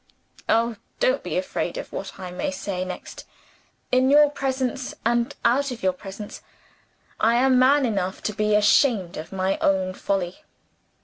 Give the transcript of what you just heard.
Oh, don't be afraid of what I may say next! In your presence, and out of your presence, I am man enough to be ashamed of my own folly.